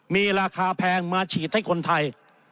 มีราคาแพงมาฉีดให้คนไทย